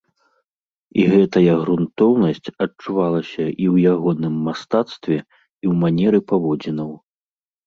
І гэтая грунтоўнасць адчувалася і ў ягоным мастацтве, і ў манеры паводзінаў.